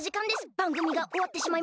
ばんぐみがおわってしまいます。